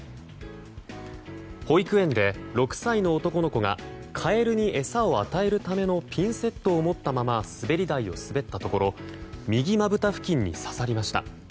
保育園で６歳の男の子がカエルに餌を与えるためのピンセットを持ったまま滑り台を滑ったところ右まぶた付近に刺さりました。